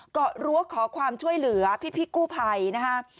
กรั้วขอความช่วยเหลือพี่กู้ภัยนะฮะ